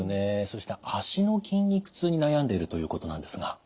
そして足の筋肉痛に悩んでいるということなんですが。